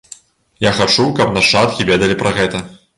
Я хачу, каб нашчадкі ведалі пра гэта.